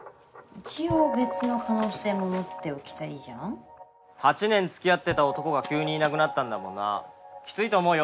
一応別の可能性も持っておきたいじゃん８年つきあってた男が急にいなくなったんだもんなきついと思うよ